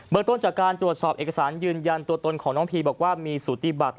ต้นจากการตรวจสอบเอกสารยืนยันตัวตนของน้องพีบอกว่ามีสูติบัติ